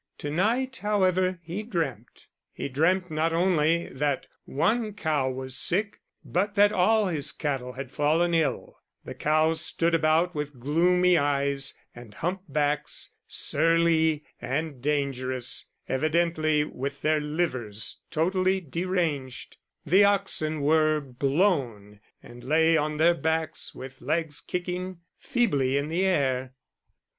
To night, however, he dreamt. He dreamt not only that one cow was sick, but that all his cattle had fallen ill the cows stood about with gloomy eyes and humpbacks, surly and dangerous, evidently with their livers totally deranged; the oxen were "blown," and lay on their backs with legs kicking feebly in the air.